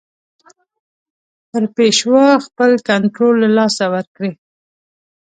پر پېشوا خپل کنټرول له لاسه ورکړي.